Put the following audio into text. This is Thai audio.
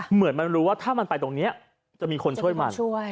เหมือนมันรู้ว่าถ้ามันไปตรงนี้จะมีคนช่วยมัน